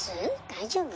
大丈夫？